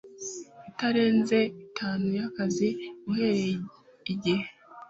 itarenze itanu y akazi uhereye igihe